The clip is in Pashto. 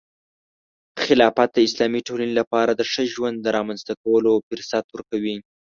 خلافت د اسلامي ټولنې لپاره د ښه ژوند رامنځته کولو فرصت ورکوي.